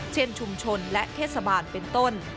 เช่นชุมชนและเทศบาลเป็นต้น